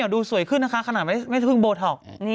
ดูสวยขึ้นนะคะขนาดไม่ได้เพิ่งโบท็อก